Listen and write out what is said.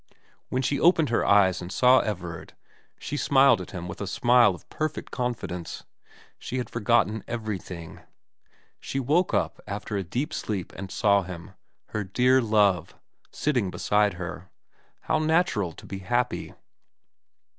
When she opened her eyes and saw Everard, she smiled at him a smile of perfect confidence. She had forgotten everything. She woke up after a deep sleep and saw him, her dear love, sitting beside her. How natural to be happy.